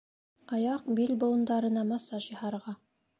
— Аяҡ, бил быуындарына массаж яһарға!